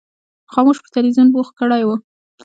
خاموش په تلویزیون بوخت کړی و.